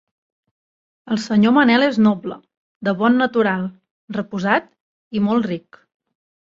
El senyor Manel és noble, de bon natural, reposat i molt ric.